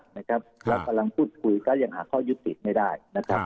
เรากำลังพูดคุยก็ยังหาข้อยุติไม่ได้นะครับ